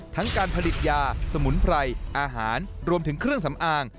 การผลิตยาสมุนไพรอาหารรวมถึงเครื่องสำอาง